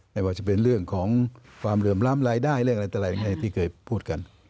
ไม่ว่าจะเป็นเรื่องของความเหลื่อมล้ำรายได้เรื่องอะไรแต่อะไรที่เคยพูดกัน